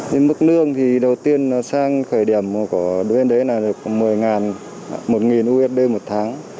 nên mức lương thì đầu tiên sang khởi điểm của bên đấy là được một mươi usd một tháng